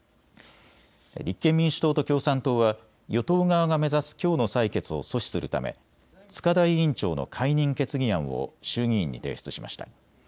立憲民主党と共産党は与党側が目指すきょうの採決を阻止するため、塚田委員長の解任決議案を衆議院に提出しました。